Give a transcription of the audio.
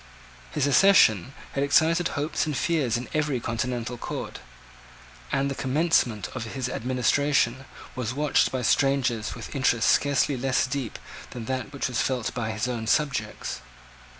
His accession had excited hopes and fears in every continental court: and the commencement of his administration was watched by strangers with interest scarcely less deep than that which was felt by his own subjects.